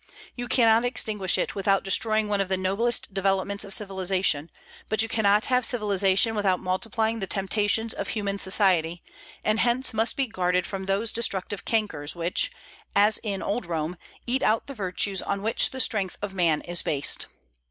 You cannot extinguish it without destroying one of the noblest developments of civilization; but you cannot have civilization without multiplying the temptations of human society, and hence must be guarded from those destructive cankers which, as in old Rome, eat out the virtues on which the strength of man is based.